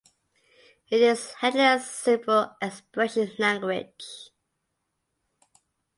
It is handling a simple expression language